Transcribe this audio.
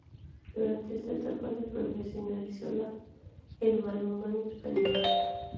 Durante esta etapa se profesionalizó el balonmano español.